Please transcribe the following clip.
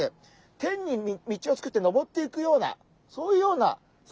天に道を作ってのぼっていくようなそういうような存在なんです。